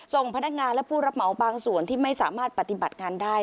ส่งพนักงานและผู้รับเหมาบางส่วนที่ไม่สามารถปฏิบัติงานได้